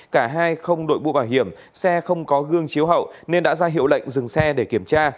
cả hai không đội bụ bảo hiểm xe không có gương chiếu hậu nên đã ra hiệu lệnh dừng xe để kiểm tra